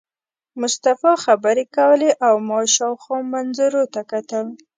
مصطفی خبرې کولې او ما شاوخوا منظرو ته کتل.